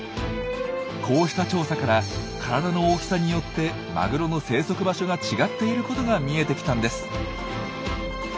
こうした調査から体の大きさによってマグロの生息場所が違っていることが見えてきたんです。